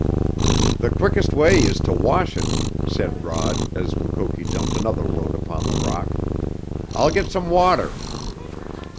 "The quickest way is to wash it!" said Rod, as Mukoki dumped another load upon the rock. "I'll get some water!"